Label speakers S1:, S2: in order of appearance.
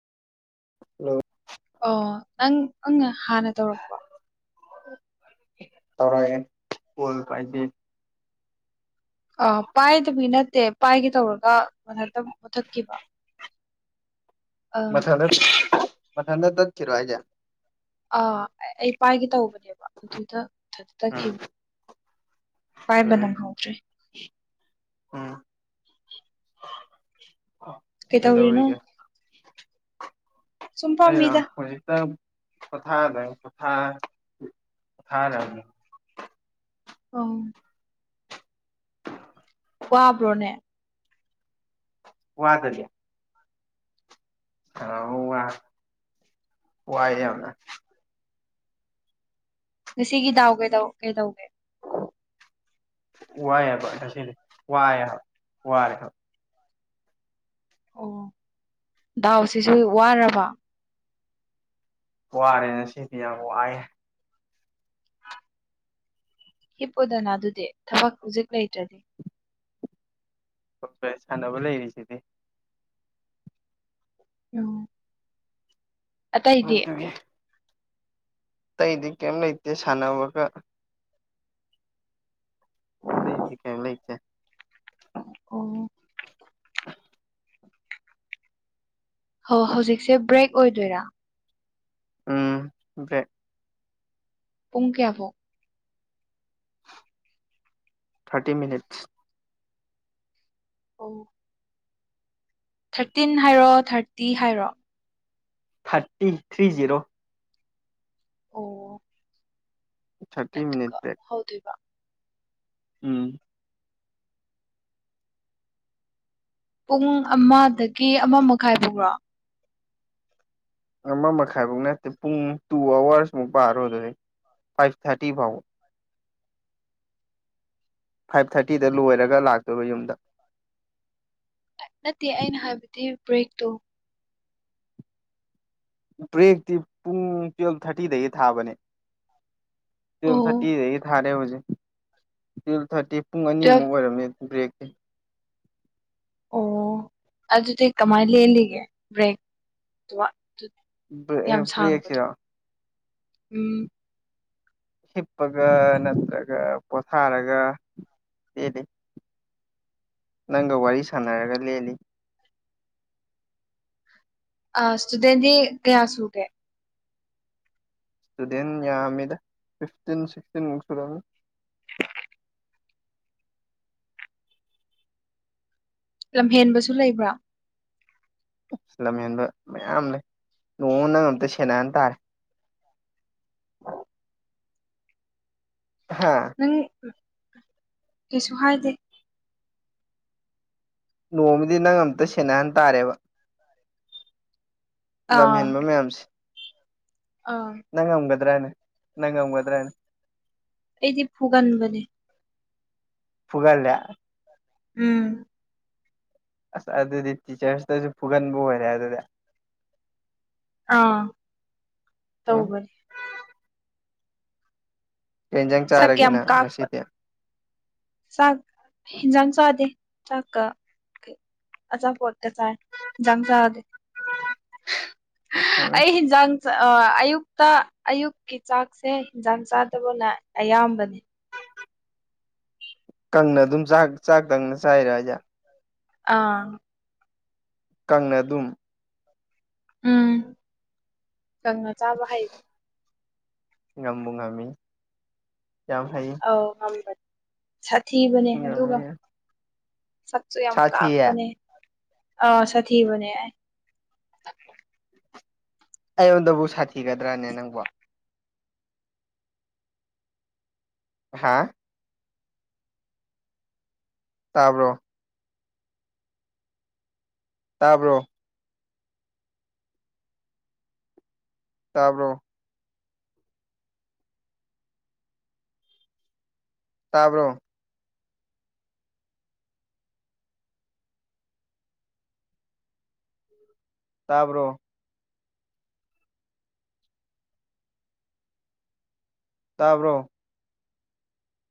S1: Hello
S2: ꯑꯣ ꯅꯪ ꯑꯪꯅ ꯍꯥꯟꯅ ꯇꯧꯔꯛ
S1: ꯇꯧꯔꯛꯑꯦ ꯀ‌ꯣꯜꯄꯥꯏꯗ‌ꯦ
S2: ꯑ ꯄꯥꯏꯗꯕꯤ ꯅꯠꯇꯦ ꯄꯥꯏꯒꯦ ꯇꯧꯔꯒ ꯃꯊꯟꯇ ꯃꯨꯊꯠꯈꯤꯕ [unintelligible]
S1: ꯃꯊꯟꯗ ꯃꯊꯟꯗ ꯇꯠꯈꯤꯔ‌ꯣ ꯍꯥꯏꯖ‌ꯦ
S2: ꯑꯥ ꯑꯩ ꯄꯥꯏꯒꯦ ꯇꯧꯕꯅꯦꯕ ꯑꯗꯨꯗ ꯃꯊꯟ
S1: ꯎꯝ
S2: ꯇꯠꯈꯤꯕ ꯄꯥꯏꯕ ꯅꯪꯍꯧꯗ꯭ꯔ‌ꯦ
S1: ꯑꯝ
S2: ꯀꯩꯗꯧꯔꯤꯅꯣ
S1: ꯀꯩꯗꯧꯔꯤꯒꯦ
S2: ꯁꯨꯝ
S1: ꯑꯩꯔꯣ
S2: ꯐꯝꯃꯤꯗ
S1: ꯍꯧꯖꯤꯛꯇꯝ ꯄꯣꯊꯥ [inaudible] ꯔꯝꯃꯤ
S2: ꯑꯣ ꯋꯥꯕ꯭ꯔꯣꯅꯦ
S1: ꯋꯥꯗꯗꯤ ꯁꯥꯅꯕꯕꯨꯋꯥ ꯋꯥꯏꯗ ꯌꯥꯝꯅ
S2: ꯉꯁꯤꯒꯤ ꯗꯥꯎ ꯀꯩꯗꯧ ꯀꯩꯗꯧꯒꯦ
S1: ꯋꯥꯏ ꯍꯥꯏꯕ ꯉꯁꯤꯗꯤ ꯋꯥꯏ ꯍꯥꯏꯕ ꯋꯥꯥꯔꯦ ꯍꯥꯏꯕ
S2: ꯑꯣ ꯗꯥꯎꯁꯤꯁꯨ ꯋꯥꯔꯕ
S1: ꯋꯥꯔꯦ ꯉꯁꯤꯗꯤ ꯌꯥꯝ ꯋꯥꯔ‌ꯦ
S2: ꯍꯤꯞꯄꯨꯗꯅ ꯑꯗꯨꯗꯤ ꯊꯕꯛ ꯍꯧꯖꯤꯛ ꯂꯩꯇ꯭ꯔꯗꯤ
S1: [inaudible] ꯁꯥꯟꯅꯕ ꯂꯩꯔꯤꯁꯤꯗꯤ
S2: ꯎꯝ ꯑꯇꯩꯗꯤ
S1: ꯑꯗꯨꯒꯤ ꯑꯇꯩꯗꯤ ꯀꯩꯝ ꯂꯩꯇꯦ ꯁꯥꯟꯅꯕꯒ ꯑꯇꯩꯗꯤ ꯀꯌꯤꯝ ꯂꯩꯇ‌ꯦ
S2: ꯑꯣ ꯍꯣ ꯍꯧꯖꯤꯛꯁꯦ ꯕ꯭ꯔꯦꯛ ꯑꯣꯏꯗꯣꯏꯔꯥ
S1: ꯎꯝ ꯕꯔ‌ꯦꯛ
S2: ꯄꯨꯡ ꯀꯌꯥꯕꯧ
S1: ꯊꯥꯔꯇꯤ ꯃꯤꯅꯤꯠꯁ
S2: ꯑꯣ ꯊꯥꯔꯇꯤꯟ ꯍꯥꯏꯔꯣ ꯊꯥꯔꯇꯤ ꯍꯥꯏꯔꯣ
S1: ꯊꯥꯔꯇꯤ ꯊ꯭ꯔꯤ ꯖꯤꯔꯣ
S2: ꯑꯣ
S1: ꯊꯥꯔꯇꯤ ꯃꯤꯅꯤꯠ ꯕꯦꯛ
S2: ꯍꯧꯗ‌ꯣꯏꯕ꯫
S1: ꯎꯝ꯫
S2: ꯄꯨꯡ ꯑꯃꯗꯒꯤ ꯑꯃ ꯃꯈꯥꯏ ꯕꯧꯔꯣ?
S1: ꯑꯃ ꯃꯈꯥꯏꯕꯧ ꯅꯠꯇꯦ ꯄꯨꯡ ꯇꯨ ꯑꯋꯥꯔꯁꯃꯨꯛ ꯄꯥꯔꯣ ꯑꯗꯨꯗꯩ ꯐꯥꯏꯚ ꯊꯥꯔꯇꯤ ꯐꯥꯎꯕ꯫ ꯐꯥꯏꯚ ꯊꯥꯔꯇꯤꯗ ꯂꯣꯏꯔꯒ ꯂꯥꯛꯇꯣꯏꯕ ꯌꯨꯝꯗ꯫
S2: ꯅꯠꯇꯦ ꯑꯩꯅ ꯍꯥꯏꯕꯗꯤ ꯕ꯭ꯔꯦꯛꯇꯣ꯫
S1: ꯕ꯭ꯔꯦꯛꯇꯤ ꯄꯨꯡ ꯇꯨꯌꯦꯜꯕ ꯊꯥꯔꯇꯤꯗꯒꯤ ꯊꯥꯕꯅꯦ꯫ ꯇꯨꯋꯜꯕ
S2: ꯑꯣ
S1: ꯊꯥꯔꯇꯤꯗꯒꯤ ꯊꯥꯔꯦ ꯍꯧꯖꯤꯛ ꯇꯨꯋꯜ ꯊꯥꯔꯇꯤ, ꯄꯨꯡ
S2: ꯇꯨꯋꯦꯜꯞ
S1: ꯑꯅꯤꯃꯨꯛ ꯑꯣꯏꯔꯝꯅꯤ꯫ ꯕ꯭ꯔꯦꯛꯇꯤ꯫
S2: ꯑꯣ ꯑꯗꯨꯗꯤ ꯀꯃꯥꯏꯅ ꯂꯦꯜꯂꯤꯒꯦ ꯕ꯭ꯔꯦꯛ [unintelligible] ꯌꯥꯝ ꯁꯥꯡꯕꯗꯣ
S1: ꯕ꯭ꯔꯦꯛꯁꯤꯔꯣ
S2: ꯎꯝ꯫
S1: ꯍꯤꯞꯄꯒ ꯅꯠꯇ꯭ꯔꯒ ꯄꯣꯊꯥꯔꯒ ꯂꯦꯜꯂꯤ꯫ ꯅꯪꯒ ꯋꯥꯔꯤ ꯁꯥꯟꯅꯔꯒ ꯂꯦꯜꯂꯤ꯫
S2: ꯑ ꯏꯁꯇꯨꯗꯦꯟꯗꯤ ꯀꯌꯥ ꯁꯨꯒꯦ?
S1: ꯏꯁꯇꯨꯗꯦꯟ ꯌꯥꯃꯤꯗ ꯐꯤꯐꯇꯤꯟ-ꯁꯤꯛꯁꯇꯤꯟꯃꯨꯛ ꯁꯨꯔꯝꯅꯤ꯫
S2: ꯂꯝ ꯍꯦꯟꯕꯁꯨ ꯂꯩꯕ꯭ꯔꯣ꯫
S1: ꯂꯝ ꯍꯦꯟꯕ ꯃꯌꯥꯝ ꯂꯩ ꯅꯣꯡꯃ ꯅꯪ ꯑꯝꯇ ꯁꯦꯟꯅꯍꯟ ꯇꯥꯔꯦ꯫ ꯍꯥꯥ꯫
S2: ꯅꯪ ꯀꯩꯁꯨ ꯍꯥꯏꯗꯦ꯫
S1: ꯅꯣꯡꯃꯗꯤ ꯅꯪ ꯑꯝꯇ ꯁꯦꯟꯅꯍꯟ ꯇꯥꯔꯦꯕ꯫ ꯂꯝ
S2: ꯑꯥ
S1: ꯍꯦꯟꯕ ꯃꯌꯥꯝꯁꯦ꯫
S2: ꯑꯥ꯫
S1: ꯅꯪ ꯉꯝꯒꯗ꯭ꯔꯥꯅꯦ ꯅꯪ ꯉꯝꯒꯗ꯭ꯔꯥꯅꯦ?
S2: ꯑꯩꯗꯤ ꯐꯨꯒꯟꯕꯅꯦ꯫
S1: ꯄꯨꯒꯜꯂꯦ?
S2: ꯎꯝ꯫
S1: ꯑꯁ ꯑꯗꯨꯗꯤ ꯇꯤꯆꯔꯁꯇꯁꯨ ꯐꯨꯒꯟꯕ ꯑꯣꯏꯔꯦ ꯑꯗꯨꯗꯤ꯫
S2: ꯑꯥ
S1: ꯎꯝ
S2: ꯇꯧꯕꯅꯦ꯫
S1: ꯀꯩ ꯍꯦꯟꯖꯥꯡ
S2: ꯁꯛ
S1: ꯆꯥꯔꯒꯦ
S2: ꯌꯥꯝ
S1: ꯅꯪ
S2: ꯀꯥꯛꯄ
S1: ꯉꯁꯤꯗꯤ?
S2: ꯆꯥꯛ ꯍꯦꯟꯖꯥꯡ ꯆꯥꯗꯦ ꯆꯥꯛꯀ ꯀꯩ ꯑꯆꯥꯄꯣꯠ ꯀ ꯆꯥꯏ ꯍꯦꯟꯖꯥꯡ ꯆꯥꯗꯦ꯫
S1: ꯎꯝ
S2: ꯑꯩ ꯍꯤꯟꯖꯥꯡ ꯑꯌꯨꯛꯇ ꯑꯌꯨꯛꯀꯤ ꯆꯥꯛꯁꯦ ꯍꯟꯖꯥꯡ ꯆꯥꯗꯕꯅ ꯑꯌꯥꯝꯕꯅꯤ꯫
S1: ꯀꯪꯅ ꯑꯗꯨꯝ ꯆꯥꯛ ꯆꯥꯛ ꯇꯪꯅ ꯆꯥꯏꯔ ꯍꯥꯏꯖꯦ?
S2: ꯑꯥ꯫
S1: ꯀꯪꯅ ꯑꯗꯨꯝ꯫
S2: ꯎꯝ ꯀꯪꯅ ꯆꯥꯕ ꯍꯩꯕꯅꯤ꯫
S1: ꯉꯝꯕꯨꯨ ꯉꯝꯃꯤ ꯌꯥꯝ ꯍꯩ꯫
S2: ꯑꯧ ꯉꯝꯕꯅꯦ ꯁꯥꯊꯤꯕꯅꯦ ꯑꯗꯨꯒ
S1: ꯉꯝꯃꯤ
S2: ꯁꯛ ꯁꯨ ꯌꯥꯝ
S1: ꯁꯥꯊꯤꯌꯦ
S2: ꯀꯥꯞꯄꯅꯦ ꯑ ꯁꯥꯊꯤꯕꯅꯦ ꯑꯩ꯫
S1: ꯑꯩꯉꯣꯟꯗꯕꯨ ꯁꯥꯊꯤꯒꯗ꯭ꯔꯥꯅꯦ ꯅꯪꯕꯨ꯫ ꯍꯥꯥ꯫ ꯇꯥꯕ꯭ꯔꯣ꯫ ꯇꯥꯕ꯭ꯔꯣ꯫ ꯇꯥꯕꯔꯣ꯫ ꯇꯥꯕ꯭ꯔꯣ ꯇꯥꯕ꯭ꯔꯣ ꯇꯥꯕ꯭ꯔꯣ